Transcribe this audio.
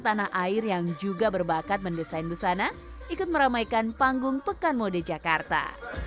tanah air yang juga berbakat mendesain busana ikut meramaikan panggung pekan mode jakarta